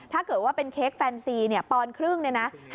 ถ้าเกิดว่าเป็นเค้กแฟนซีปอนครึ่ง๕๙๐บาท